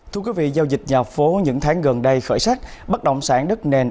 thưa quý vị giao dịch nhà phố những tháng gần đây khởi sắc bất động sản đất nền